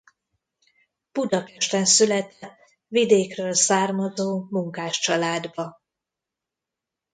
Budapesten született vidékről származó munkáscsaládba.